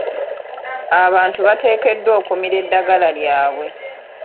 Abantu bateekeddwa okumira eddagala lyabwe.